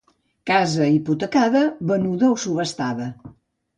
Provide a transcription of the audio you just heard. Casa hipotecada, venuda o subhastada.